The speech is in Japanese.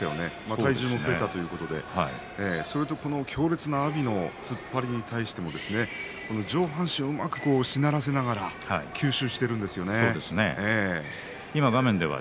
体重が増えたということでそれと強烈な阿炎の突っ張りに対しても上半身を、うまくしならせながら吸収しているんですよね。